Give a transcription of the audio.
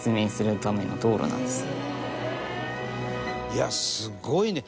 いやすごいね！